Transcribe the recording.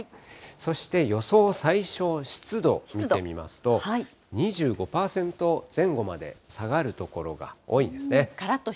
そして予想最小湿度見てみますと、２５％前後まで下がる所が多いんですね。